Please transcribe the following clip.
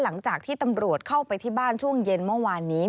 หลังจากที่ตำรวจเข้าไปที่บ้านช่วงเย็นเมื่อวานนี้